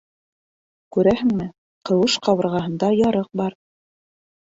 Күрәһеңме, ҡыуыш ҡабырғаһында ярыҡ бар.